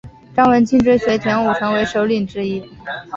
张文庆追随田五成为首领之一。